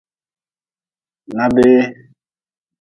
Na bee.